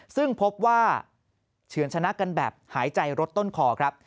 ซึ่งพบว่าเฉือนชนะกันแบบหายใจรถต้นคอครับ